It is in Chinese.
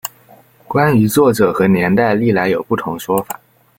关于作者和年代历来有不同说法。